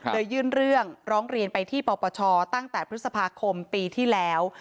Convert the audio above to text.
ยื่นเรื่องร้องเรียนไปที่ปปชตั้งแต่พฤษภาคมปีที่แล้ว